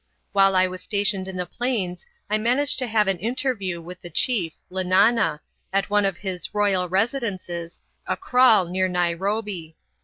While I was stationed in the Plains I managed to have an interview with the chief, Lenana, at one of his "royal residences," a kraal near Nairobi.